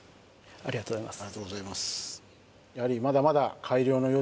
・ありがとうございます